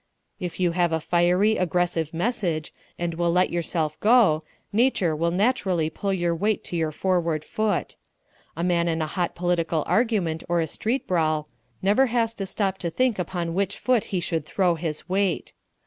If you have a fiery, aggressive message, and will let yourself go, nature will naturally pull your weight to your forward foot. A man in a hot political argument or a street brawl never has to stop to think upon which foot he should throw his weight.